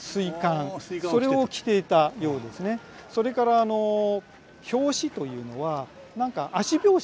それから「拍子」というのは何か足拍子。